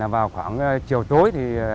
vào khoảng chiều tối thì